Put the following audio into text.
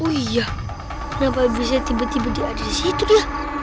oh iya kenapa bisa tiba tiba dia di situ ya